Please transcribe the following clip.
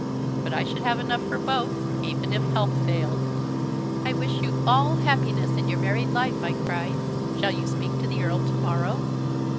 But I should have enough for both, even if health failed." "I wish you all happiness in your married life!" I cried. "Shall you speak to the Earl to morrow?"